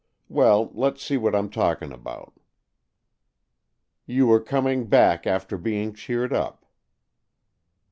Well, let's see what I'm talking about." "You were coming back after being cheered up."